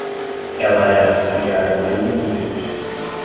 Ela era a estagiária mais inteligente